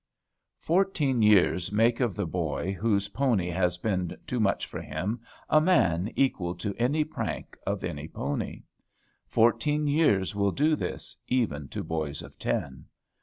Fourteen years make of the boy whose pony has been too much for him a man equal to any prank of any pony. Fourteen years will do this, even to boys of ten.